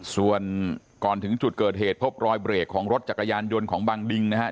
ส่วนก่อนถึงจุดเกิดเหตุพบรอยเบรกของรถจักรยานยนต์ของบังดิงนะครับ